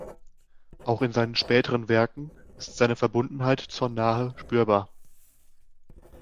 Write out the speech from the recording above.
Auch in seinen späteren Werken ist seine Verbundenheit zur Nahe spürbar.